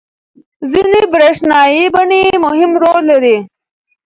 ځینې برېښنايي بڼې مهم رول لري.